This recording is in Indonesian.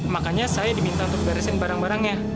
makanya saya diminta untuk beresin barang barangnya